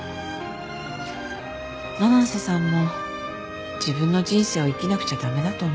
七瀬さんも自分の人生を生きなくちゃ駄目だと思う。